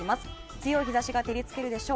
強い日差しが照り付けるでしょう。